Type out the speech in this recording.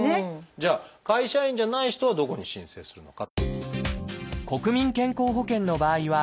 じゃあ会社員じゃない人はどこに申請するのか。